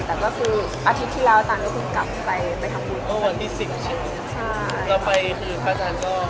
แต่ก็คืออาทิตย์ที่แล้วตานก็คือกลับไปทำงาน